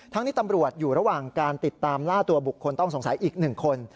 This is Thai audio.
นี้ตำรวจอยู่ระหว่างการติดตามล่าตัวบุคคลต้องสงสัยอีก๑คน